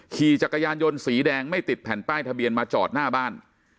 ขี่จักรยานยนต์สีแดงไม่ติดแผ่นป้ายทะเบียนมาจอดหน้าบ้าน